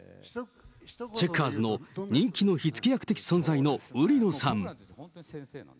チェッカーズの人気の火つけ役的な存在の売野さん。